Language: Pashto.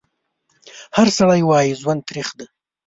هر سړی وایي ژوند تریخ دی